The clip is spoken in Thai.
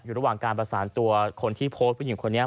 อยู่ระหว่างการประสานตัวคนที่โพสต์ผู้หญิงคนนี้